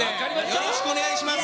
よろしくお願いします。